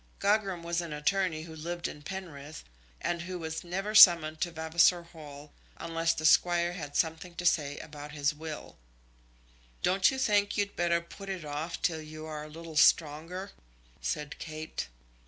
Gogram was an attorney who lived at Penrith, and who was never summoned to Vavasor Hall unless the Squire had something to say about his will. "Don't you think you'd better put it off till you are a little stronger?" said Kate.